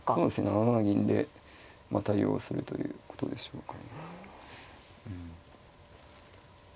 ７七銀で対応するということでしょうかね。